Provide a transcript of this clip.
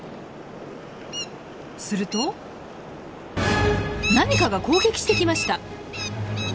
すると何かが攻撃してきました。